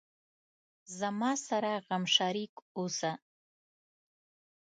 زما سره غم شریک اوسه